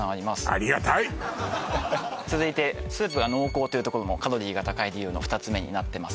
ありがたい続いてスープが濃厚というところもカロリーが高い理由の２つ目になってます